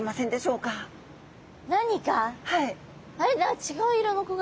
違う色の子がいる？